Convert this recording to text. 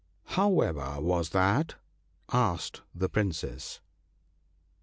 OWEVER was that?" asked the Princes.